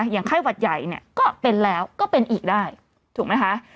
อย่างไข้หวัดใหญ่เนี่ยก็เป็นแล้วก็เป็นอีกได้ถูกไหมคะ